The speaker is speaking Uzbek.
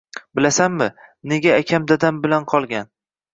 Bilasanmi, nega akam dadam bilan qolgan